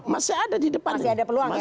masih ada di depan sih ada peluang ya